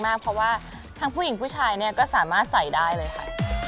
เพราะว่าทั้งผู้หญิงผู้ชายเนี่ยก็สามารถใส่ได้เลยค่ะ